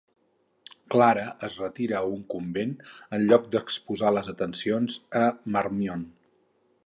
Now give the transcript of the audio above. Clara es retira a un convent en lloc d'exposar les atencions de Marmion.